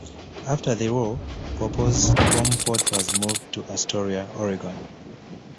After the war "Papaw's" home port was moved to Astoria, Oregon.